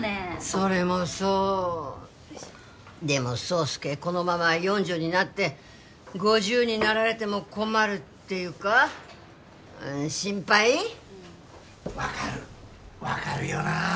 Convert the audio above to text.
それもそうでも爽介このまま４０になって５０になられても困るっていうか心配分かる分かるよなあ